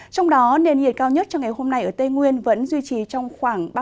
trong đó nền nhiệt cao nhất cho ngày hôm nay ở tây nguyên vẫn duy trì trong khoảng ba mươi năm ba mươi sáu độ